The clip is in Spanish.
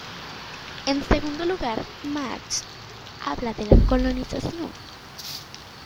En segundo lugar, Marx habla de la "colonización".